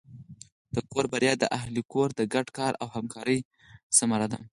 د کور بریا د اهلِ کور د ګډ کار او همکارۍ ثمره ده.